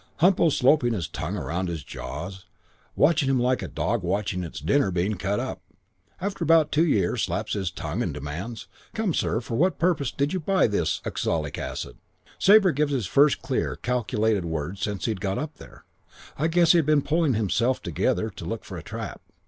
Humpo slopping his tongue round his jaws, watching him like a dog watching its dinner being cut up. After about two years, slaps in his tongue and demands, 'Come, sir, for what purpose did you buy this oxalic acid?' "Sabre gives his first clear, calculated words since he had got up there. I guess he had been pulling himself together to look for a trap.